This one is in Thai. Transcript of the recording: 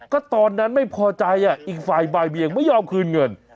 ก็ตอนนั้นไม่พอใจอีกฝ่ายบ่ายเบียงไม่ยอมคืนเงิน